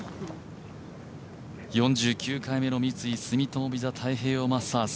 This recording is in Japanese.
４９回目の三井住友ＶＩＳＡ太平洋マスターズ。